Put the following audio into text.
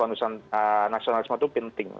nasionalisme itu penting